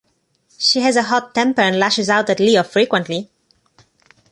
She has a hot temper and lashes out at Leo frequently.